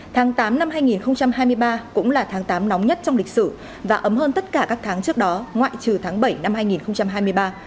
tháng tám năm hai nghìn hai mươi ba cũng là tháng tám nóng nhất trong lịch sử và ấm hơn tất cả các tháng trước đó ngoại trừ tháng bảy năm hai nghìn hai mươi ba